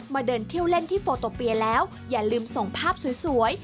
เดินเที่ยวเล่นที่โฟโตเปียแล้วอย่าลืมส่งภาพสวย